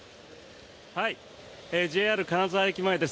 ＪＲ金沢駅前です。